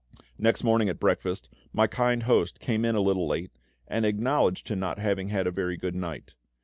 Next morning at breakfast, my kind host came in a little late, and acknowledged to not having had a very good night.